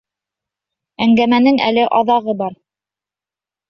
Әңгәмәнең әле аҙағы бар.